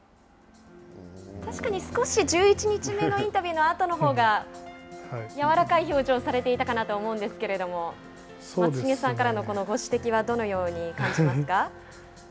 確かに少し１１日目のインタビューのあとのほうが柔らかい表情をされていたかなと思うんですけれども松重さんからのご指摘はどのように感じますか。